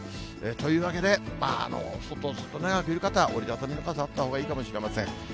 というわけで、外、長くいる方は折り畳みの傘、あったほうがいいかもしれません。